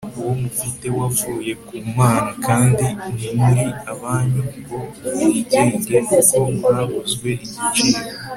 uwo mufite wavuye ku mana? kandi ntimuri abanyu ngo mwigenge kuko mwaguzwe igiciro